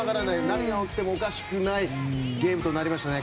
何が起きてもおかしくないゲームとなりましたね。